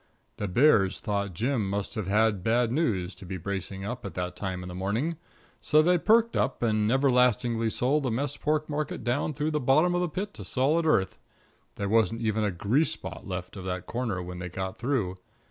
The bears thought Jim must have had bad news, to be bracing up at that time in the morning, so they perked up and everlastingly sold the mess pork market down through the bottom of the pit to solid earth. There wasn't even a grease spot left of that corner when they got through.